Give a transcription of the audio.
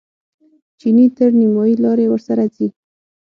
چیني تر نیمایي لارې ورسره ځي.